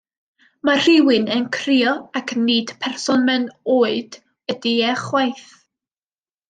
Mae rhywun yn crio, ac nid person mewn oed ydi e chwaith.